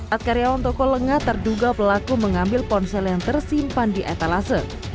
at karyawan toko lengah terduga pelaku mengambil ponsel yang tersimpan di etalase